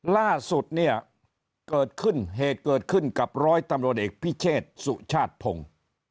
ล่าสุดเนี่ยเกิดขึ้นเหตุเกิดขึ้นกับร้อยตำรวจเอกพิเชษสุชาติพงศ์